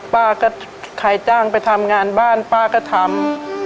ป้าก็ใครจ้างไปทำงานบ้านป้าก็ทำ